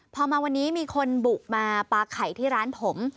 พอมาวันนี้มีคนบุกมาปลาไข่ที่ร้านผม